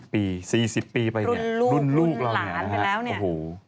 ๓๐ปี๔๐ปีไปเนี่ยรุ่นลูกแล้วอันนี้ครับ